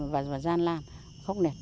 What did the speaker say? và gian lan khóc nền